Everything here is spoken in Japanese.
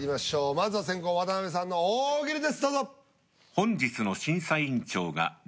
まずは先攻渡辺さんの大喜利ですどうぞ。